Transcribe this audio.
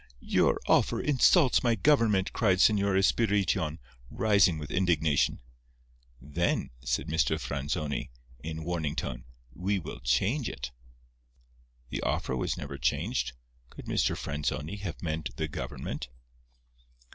"Your offer insults my government," cried Señor Espirition, rising with indignation. "Then," said Mr. Franzoni, in warning tone, "we will change it." The offer was never changed. Could Mr. Franzoni have meant the government?